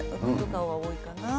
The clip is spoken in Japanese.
多いかな。